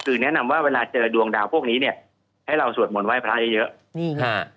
คือแนะนำว่าเวลาเจอดวงดาวพวกนี้เนี่ยให้เราสวดมนต์ไห้พระเยอะเยอะนี่ค่ะ